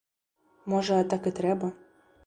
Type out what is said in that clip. Можа так і трэба?